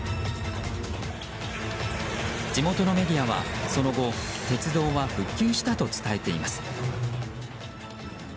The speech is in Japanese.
地元のメディアは、その後鉄道は復旧したと伝えています。